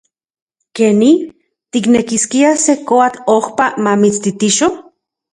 ¡Keni! ¿tiknekiskia se koatl ojpa mamitstitixo?